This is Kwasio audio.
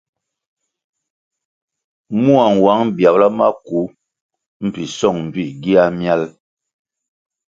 Mua nwang biabla maku mbpi song mbpí gia miál.